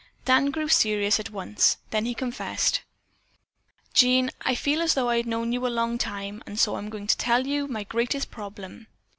Dan grew serious at once. Then he confessed: "Jean, I feel as though I had known you for a long time, and so I am going to tell you my greatest problem.